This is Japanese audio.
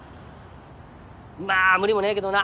まあ無理もねぇけどな。